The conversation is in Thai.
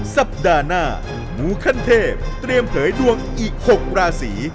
สัปดาห์หน้าหมูขั้นเทพเตรียมเผยดวงอีก๖ราศี